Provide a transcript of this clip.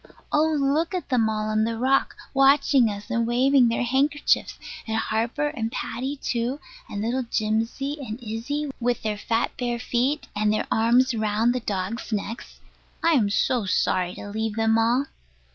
Oh, look at them all on the rock watching us and waving their handkerchiefs; and Harper and Paddy too, and little Jimsy and Isy, with their fat bare feet, and their arms round the dogs' necks. I am so sorry to leave them all.